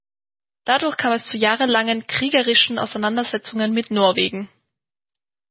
Dadurch kam es zu jahrelangen kriegerischen Auseinandersetzungen mit Norwegen.